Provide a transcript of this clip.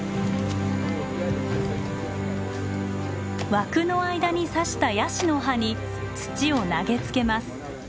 枠の間に刺したヤシの葉に土を投げつけます。